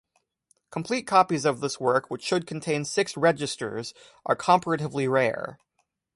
Complete copies of this work, which should contain six "registres", are comparatively rare.